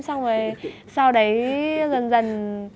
xong rồi sau đấy dần dần